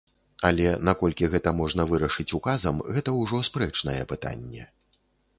Але наколькі гэта можна вырашыць указам, гэта ўжо спрэчнае пытанне.